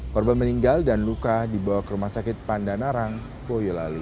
korban meninggal dan luka dibawa ke rumah sakit pandanarang boyolali